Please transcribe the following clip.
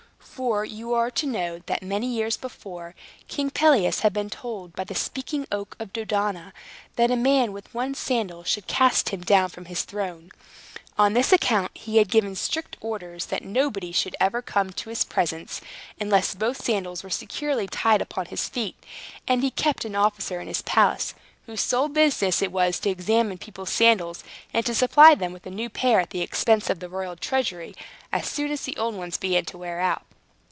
For you are to know, that, many years before, King Pelias had been told by the Speaking Oak of Dodona, that a man with one sandal should cast him down from his throne. On this account, he had given strict orders that nobody should ever come into his presence, unless both sandals were securely tied upon his feet; and he kept an officer in his palace, whose sole business it was to examine people's sandals, and to supply them with a new pair, at the expense of the royal treasury, as soon as the old ones began to wear out.